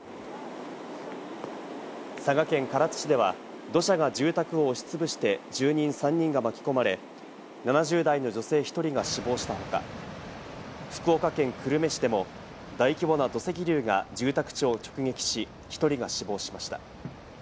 佐賀県唐津市では土砂が住宅を押しつぶして、住人３人が巻き込まれ、７０代の女性１人が死亡した他、福岡県久留米市でも大規模な土石流が住宅地を直撃し、１人が死亡しました。